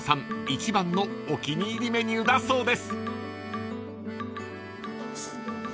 一番のお気に入りメニューだそうです］